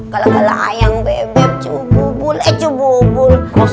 kalau kalau ayam bebek cubu bule cubu bule